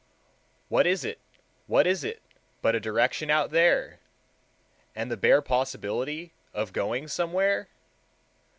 What is it, what is it But a direction out there, And the bare possibility Of going somewhere?